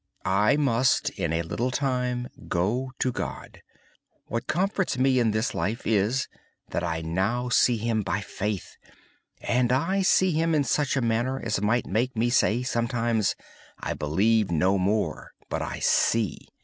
I must, in a little time, go to God. What comforts me in this life is that I now see Him by faith. I see Him in such a manner that I sometimes say, I believe no more, but I see.